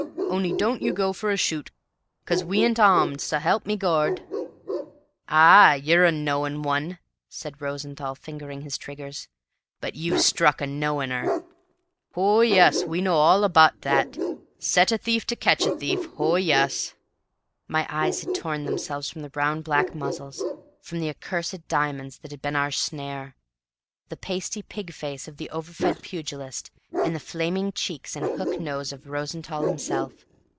On'y don't you go for to shoot, 'cos we 'int awmed, s'help me Gord!" "Ah, you're a knowin' one," said Rosenthall, fingering his triggers. "But you've struck a knowin'er." "Ho, yuss, we know all abaht thet! Set a thief to ketch a thief ho, yuss." My eyes had torn themselves from the round black muzzles, from the accursed diamonds that had been our snare, the pasty pig face of the over fed pugilist, and the flaming cheeks and hook nose of Rosenthall himself.